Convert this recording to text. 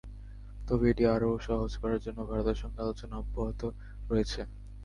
তবে এটি আরও সহজ করার জন্য ভারতের সঙ্গে আলোচনা অব্যাহত রয়েছে।